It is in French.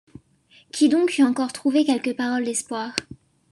Qui donc eût encore trouvé quelques paroles d’espoir?